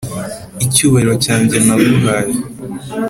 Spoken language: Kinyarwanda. icyubahiro cyanjye naguhaye